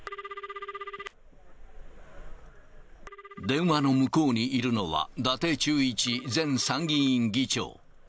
電話の向こうにいるのは、伊達忠一前参議院議長。